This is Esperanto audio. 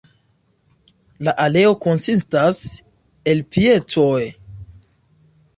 La aleo konsistas el piceoj.